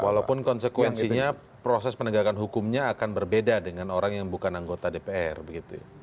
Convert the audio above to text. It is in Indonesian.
walaupun konsekuensinya proses penegakan hukumnya akan berbeda dengan orang yang bukan anggota dpr begitu ya